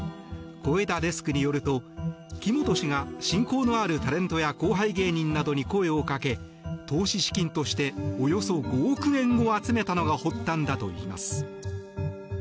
小枝デスクによると木本氏が親交のあるタレントや後輩芸人などに声をかけ投資資金として、およそ５億円を集めたのが発端だといいます。